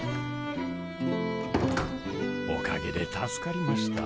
おかげで助かりました。